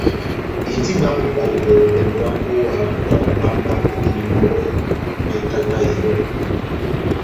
Indini bwámu ibahedɛ mbɛmbɔ yá mbówa yá bámbámbá idihinɔni iwɛ na itandedɛ yɔ́.